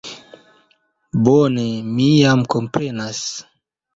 Bone, mi jam komprenas.